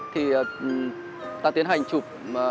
thì ta tiến hành chụp